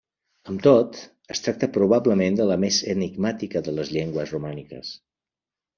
Amb tot, es tracta probablement de la més enigmàtica de les llengües romàniques.